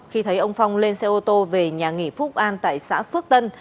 khi thấy ông phong lên xe ô tô về nhà nghỉ phúc an tại xã phước tân